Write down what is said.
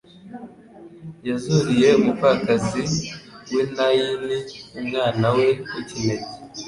Yazuriye umupfakazi w'i Naini, umwana we w'ikinege;